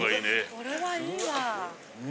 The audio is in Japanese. これはいいわ。